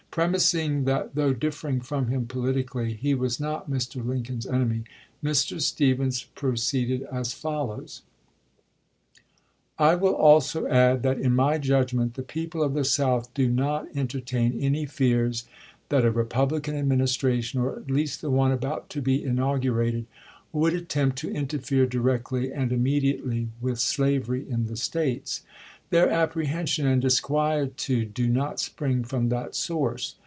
Premising that though differing from him politically he was not Mr. Lincoln's enemy, Mr. Stephens proceeded as follows : I will also add that in my judgment the people of the South do not entertain any fears that a Republican ad ministration, or at least the one about to be inaugurated, would attempt to interfere directly and immediately with slavery in the States. Their apprehension and disquie tude do not spring from that source.